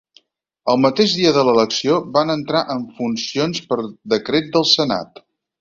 El mateix dia de l'elecció van entrar en funcions per decret del senat.